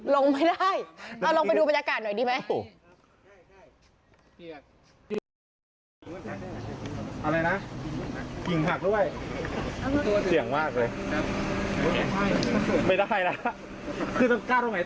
ลงไม่ได้เอาลงไปดูบรรยากาศหน่อยดีไหม